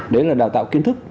đấy là đào tạo kiên thức